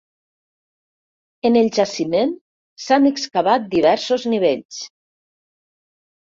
En el jaciment s'han excavat diversos nivells.